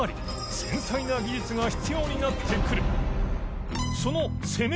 繊細な技術が必要になってくる山崎さん）